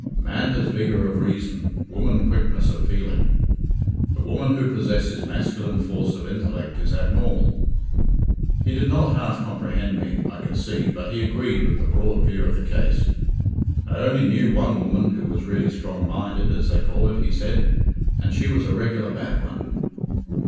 Man has vigour of reason, woman quickness of feeling. The woman who possesses masculine force of intellect is abnormal." He did not half comprehend me, I could see, but he agreed with the broad view of the case. "I only knew one woman who was really 'strong minded', as they call it," he said, "and she was a regular bad one."